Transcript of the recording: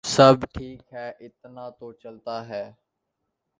سب ٹھیک ہے ، اتنا تو چلتا ہے ۔